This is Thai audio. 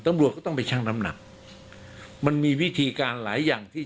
ตำรวจก็ต้องไปชั่งน้ำหนักมันมีวิธีการหลายอย่างที่